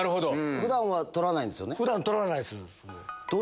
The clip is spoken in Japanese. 普段は撮らないんですよね。